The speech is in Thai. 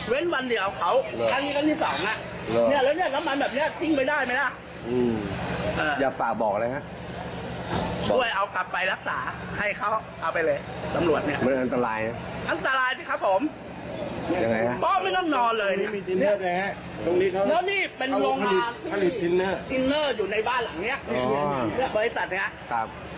เป็นโมงพาที่ทินเนอร์อยู่ในบ้านหลังนี้บริษัทเนี่ย